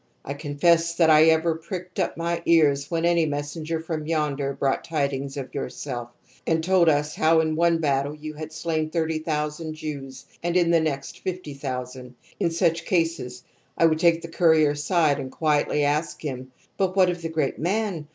I confess that I ever pricked up my ears when any _ messenger from yonder brought tidings of yourself, _ and told us how in one battle you had slain thirty thousand Jews and in the next fifty thousand. In such cases I would take the courier aside and quietly ask him :' But what of the great man?